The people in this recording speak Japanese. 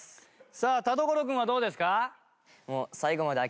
さあ田所君はどうですか？